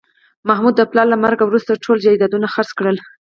محمود د پلار له مرګه وروسته ټول جایدادونه خرڅ کړل